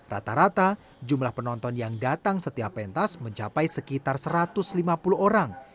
rata rata jumlah penonton yang datang setiap pentas mencapai sekitar satu ratus lima puluh orang